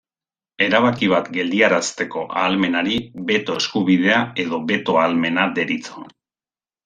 Erabaki bat geldiarazteko ahalmenari beto-eskubidea edo beto-ahalmena deritzo.